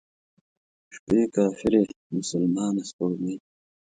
شپې کافرې، مسلمانه سپوږمۍ،